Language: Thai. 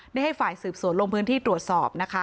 ได้ให้ฝ่ายสืบสวนลงพื้นที่ตรวจสอบนะคะ